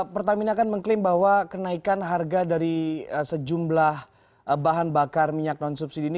pertamina akan mengklaim bahwa kenaikan harga dari sejumlah bahan bakar minyak non subsidi ini